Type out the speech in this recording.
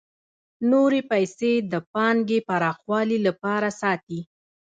نورې پیسې د پانګې پراخوالي لپاره ساتي